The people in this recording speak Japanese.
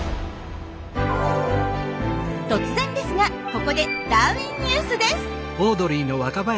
突然ですがここで「ダーウィンＮＥＷＳ」です。